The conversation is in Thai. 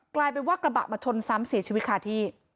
กลายเป็นว่ากระบะมาชนซ้ำเสียชีวิตคาที่